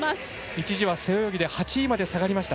一時は背泳ぎで８位まで下がりました。